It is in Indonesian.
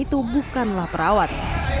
itu bukanlah perawat